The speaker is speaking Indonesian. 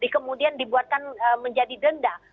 kemudian dibuatkan menjadi denda